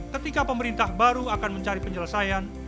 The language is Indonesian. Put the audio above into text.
ketika pemerintah baru akan mencari penyelesaian